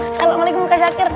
assalamualaikum kak syakir